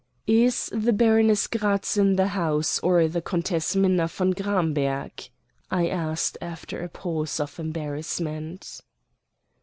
"Is the Baroness Gratz in the house, or the Countess Minna von Gramberg?" I asked after a pause of embarrassment.